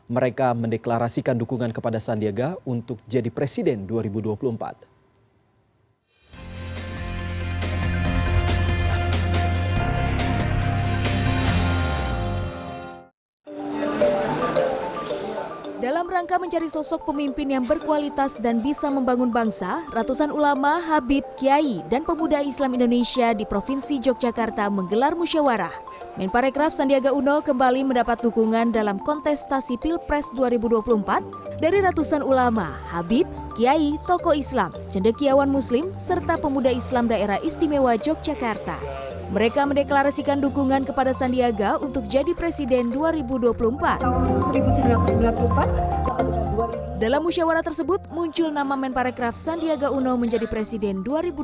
mereka mendeklarasikan dukungan kepada sandiaga untuk jadi presiden dua ribu dua puluh empat